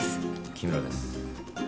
木村です。